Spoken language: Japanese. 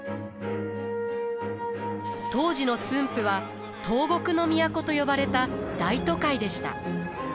当時の駿府は東国の都と呼ばれた大都会でした。